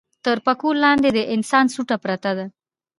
تر پکول لاندې د انسان سوټه پرته ده.